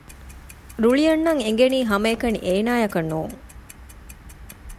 ރުޅިއަންނަން އެނގެނީ ހަމައެކަނި އޭނާއަކަށް ނޫން